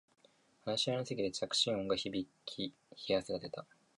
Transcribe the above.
話し合いの席で着信音が響き冷や汗が出た